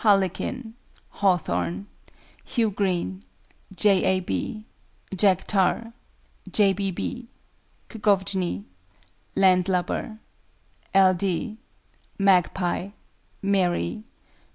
B. HARLEQUIN. HAWTHORN. HOUGH GREEN. J. A. B. JACK TAR. J. B. B. KGOVJNI. LAND LUBBER. L. D. MAGPIE. MARY.